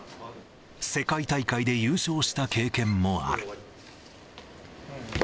世界大会で優勝した経験もある。